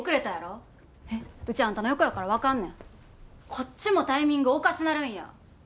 こっちもタイミングおかしなるんや。